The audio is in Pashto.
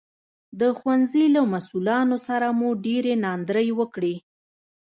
د ښوونځي له مسوولانو سره مو ډېرې ناندرۍ وکړې